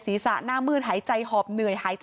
ศีรษะหน้ามืดหายใจหอบเหนื่อย